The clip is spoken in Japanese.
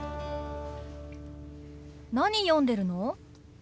何読んでるの？